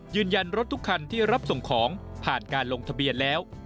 รถทุกคันที่รับส่งของผ่านการลงทะเบียนแล้ว